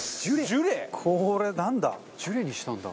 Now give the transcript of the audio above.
ジュレにしたんだ。